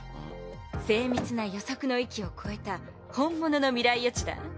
精密な予測の域を超えた本物の未来予知だ。